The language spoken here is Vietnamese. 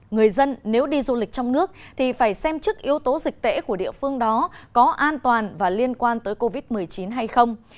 người dân nếu đi du lịch trong nước thì phải xem chức yếu tố dịch tễ của địa phương đó có an toàn và liên quan tới covid một mươi chín hay không